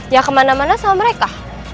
ya kemana mana sama mereka